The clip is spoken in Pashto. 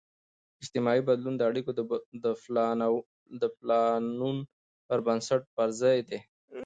اجتماعي بدلون د اړیکو د پلانون پر بنسټ پرځای دی.